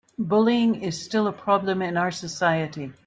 Bullying is still a problem in our society.